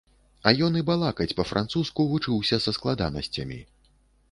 А ён і балакаць па-французску вучыўся са складанасцямі!